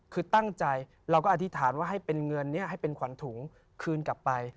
คือตั้งใจเราก็อธิษฐานว่าให้เป็นเงินนี้ให้เป็นขวัญถุงคืนกลับไป